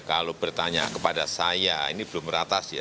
kalau bertanya kepada saya ini belum ratas ya